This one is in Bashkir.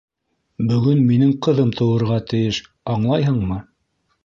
- Бөгөн минең ҡыҙым тыуырға тейеш, аңлайһыңмы?